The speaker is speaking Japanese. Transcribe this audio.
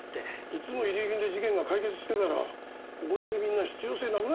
いつも遺留品で事件が解決してたらここにいるみんな必要性なくなっちゃうからな。